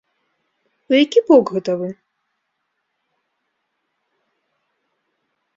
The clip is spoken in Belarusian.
У які бок гэта вы?